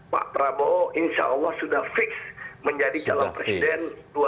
pak prabowo insya allah sudah fix menjadi calon presiden dua ribu sembilan belas